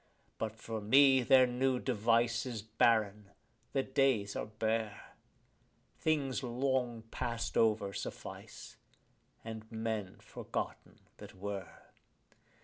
But for me their new device is barren, the days are bare; Things long past over suffice, and men forgotten that were.